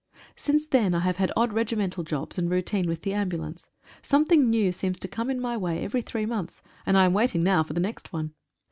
Since then I have had odd regimental jobs, and routine with the ambulance. Some thing new seems to come in my way every three months, and I am waiting now for the next one.